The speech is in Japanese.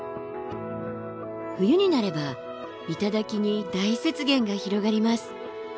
冬になれば頂に大雪原が広がります。